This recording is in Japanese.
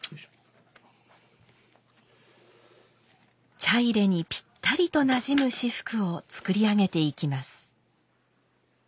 茶入にぴったりとなじむ仕覆を作り上げていきます。